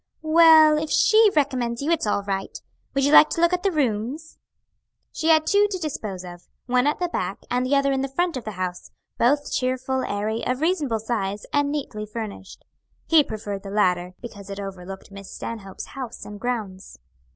"Well, if she recommends you, it's all right. Would you like to look at the rooms?" She had two to dispose of one at the back and the other in the front of the house, both cheerful, airy, of reasonable size, and neatly furnished. He preferred the latter, because it overlooked Miss Stanhope's house and grounds.